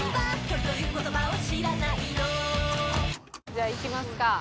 じゃあいきますか。